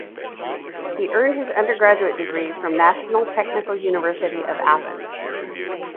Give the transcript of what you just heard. He earned his undergraduate degree from National Technical University of Athens.